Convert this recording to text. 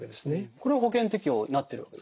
これは保険適用になってるわけですね？